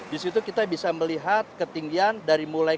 di situ kita bisa melihat ketinggian dari mulai